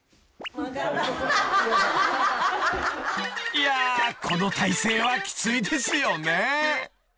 ［いやこの体勢はきついですよね］